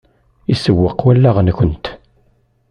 Isewweq wallaɣ-nkent.